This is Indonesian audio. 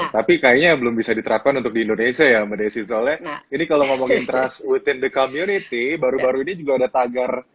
tapi kayaknya belum bisa diterapkan untuk di indonesia ya mbak desi soalnya ini kalau ngomongin trust within the community baru baru ini juga ada tagar